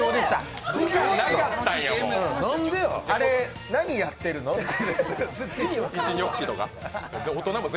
あれ、何やってるの？って。